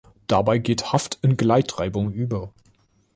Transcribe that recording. Dabei geht Haft- in Gleitreibung über.